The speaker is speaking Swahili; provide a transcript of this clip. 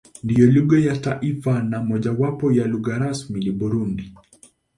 Ndiyo lugha ya taifa na mojawapo ya lugha rasmi za Burundi.